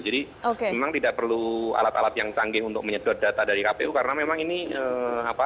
jadi memang tidak perlu alat alat yang canggih untuk menyebut data dari kpu karena memang ini apa